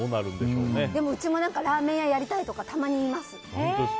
うちもラーメン屋やりたいとかたまに言います。